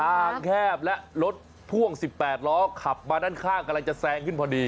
งแคบและรถพ่วง๑๘ล้อขับมาด้านข้างกำลังจะแซงขึ้นพอดี